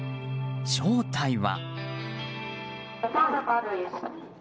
正体は。